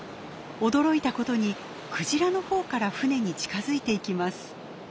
驚いたことにクジラのほうから船に近づいていきます。